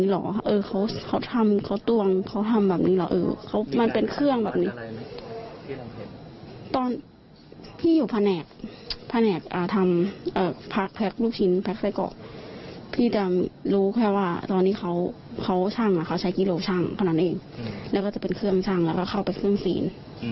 แล้วก็จะเป็นเครื่องชั่งแล้วก็เข้าไปเป็นเครื่องศีล